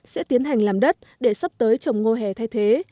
sẽ tiến hành làm đất để sắp tới trồng ngô hè thay thế